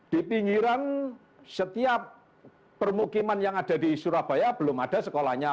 di pinggiran setiap permukiman yang ada di surabaya belum ada sekolahnya